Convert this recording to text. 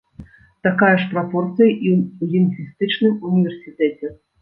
Такая ж прапорцыя і ў лінгвістычным універсітэце.